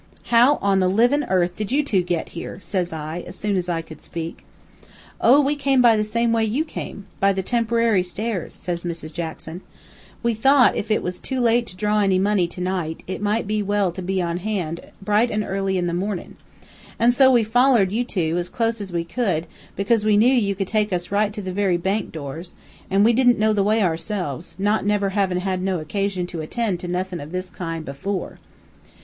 "'How on the livin' earth did you two got here?' says I, as soon as I could speak. "'Oh, we come by the same way you come by the tem per ary stairs,' says Mrs. Jackson. 'We thought if it was too late to draw any money to night, it might be well to be on hand bright an' early in the mornin'. An' so we follered you two, as close as we could, because we knew you could take us right to the very bank doors, an' we didn't know the way ourselves, not never havin' had no occasion to attend to nothin' of this kind before.'